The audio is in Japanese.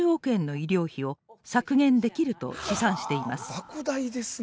はあばく大ですね！